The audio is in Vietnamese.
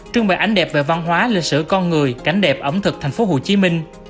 trưng bày ảnh đẹp về văn hóa lịch sử con người cảnh đẹp ẩm thực thành phố hồ chí minh